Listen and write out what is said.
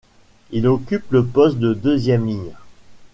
Il occupe le poste de deuxième ligne.